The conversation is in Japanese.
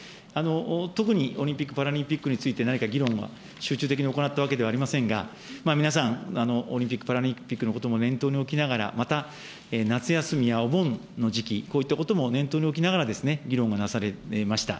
特にオリンピック・パラリンピックについて、何か議論を集中的に行ったわけではありませんが、皆さん、オリンピック・パラリンピックのことも念頭に置きながら、また、夏休みやお盆の時期、こういったことも念頭に置きながら、議論がなされました。